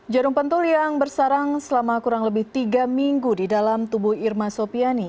jarum pentul yang bersarang selama kurang lebih tiga minggu di dalam tubuh irma sopiani